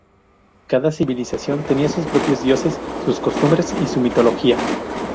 Cada civilización tenía sus propios dioses, sus costumbres y su mitología.